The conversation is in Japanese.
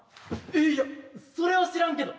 いやそれは知らんけど。